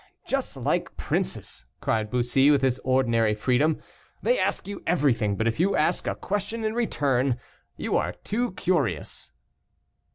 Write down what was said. "Just like princes," cried Bussy, with his ordinary freedom, "they ask you everything; but if you ask a question in return, you are too curious."